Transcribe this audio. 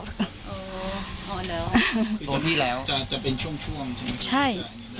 อ๋อแล้วโอเคแล้วใช่